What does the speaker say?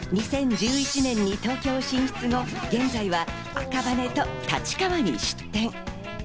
２０１１年に東京進出後、現在は赤羽と立川に出店。